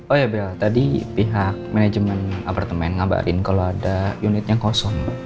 oh ya bella tadi pihak manajemen apartemen ngabarin kalau ada unitnya kosong